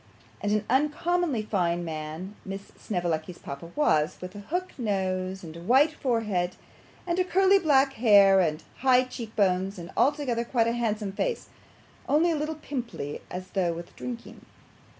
And an uncommonly fine man Miss Snevellicci's papa was, with a hook nose, and a white forehead, and curly black hair, and high cheek bones, and altogether quite a handsome face, only a little pimply as though with drinking.